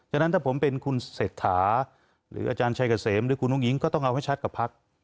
ฉะนั้นถ้าผมเป็นคุณเศรษฐาหรืออาจารย์ชัยเกษมหรือคุณอุ้งอิงก็ต้องเอาให้ชัดกับพัก